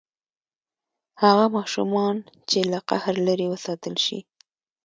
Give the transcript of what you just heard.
هغه ماشومان چې له قهر لرې وساتل شي.